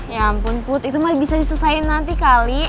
ya ampun put itu malah bisa diselesaikan nanti kali